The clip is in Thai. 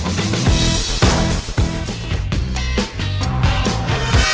สวัสดีครับ